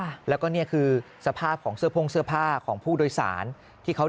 ใช่ไหมฮะฮ่าแล้วก็นี่คือสภาพของเสื้อผงเสื้อผ้าของผู้โดยสารที่เขา